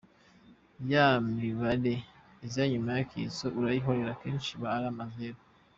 Ya mibare iza inyuma y’akitso urayihorera akenshi iba ari n’amazeru.